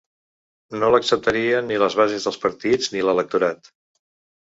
No l’acceptarien ni les bases dels partits ni l’electorat.